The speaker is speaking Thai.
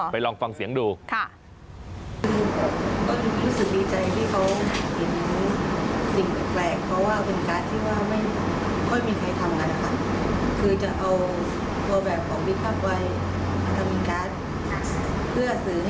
ไปลองฟังเสียงดู